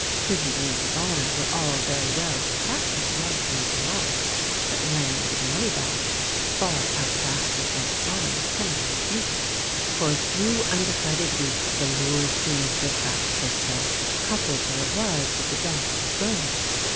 Pretty maids of honour were all very well to practise love making on; but land and money bags far outlast and outshine penniless beauty. For a few undecided weeks the lure seemed to attract Churchill, coupled though it was with the death of his romance.